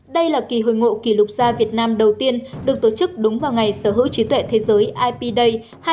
đây là kỳ hồi ngộ kỷ lục gia việt nam đầu tiên được tổ chức đúng vào ngày sở hữu trí tuệ thế giới ip day